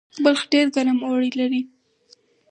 بلخ ډیر ګرم اوړی لري